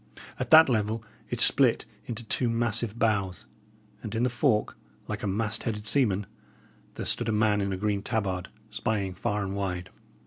At that level, it split into two massive boughs; and in the fork, like a mast headed seaman, there stood a man in a green tabard, spying far and wide.